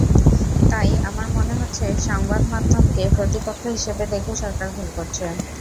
তাই আমার মনে হচ্ছে, সংবাদমাধ্যমকে প্রতিপক্ষ হিসেবে দেখে সরকার ভুল করছে।